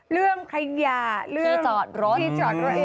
เรื่องข้างหน้าเรื่องที่จอดรถ